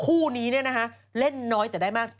คู่นี้เนี่ยนะคะเล่นน้อยแต่ได้มาก